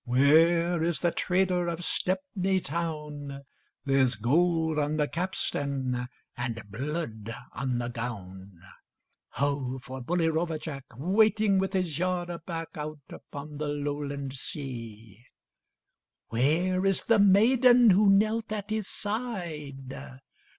Where is the trader of Stepney town? There's gold on the capstan, and blood on the gown: Ho for bully rover Jack, Waiting with his yard aback, Out upon the Lowland sea! Where is the maiden who knelt at his side?